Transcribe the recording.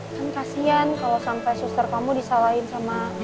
kan kasian kalau sampai suster kamu disalahin sama